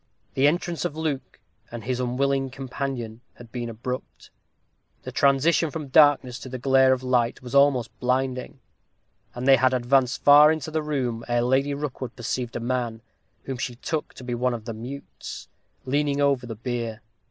The entrance of Luke and his unwilling companion had been abrupt. The transition from darkness to the glare of light was almost blinding, and they had advanced far into the room ere Lady Rookwood perceived a man, whom she took to be one of the mutes, leaning over the bier.